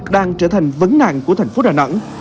đang trở thành vấn nạn của thành phố đà nẵng